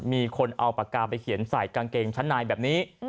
มีคนเอาปากกาไปเขียนใส่กางเกงชั้นในแบบนี้